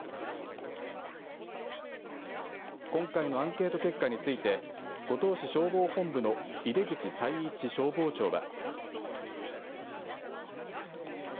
今回のアンケート結果について五島市消防本部の出口宰一消防長は。